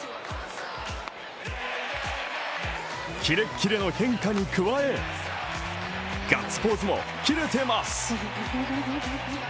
キレッキレの変化に加え、ガッツポーズもキレてます！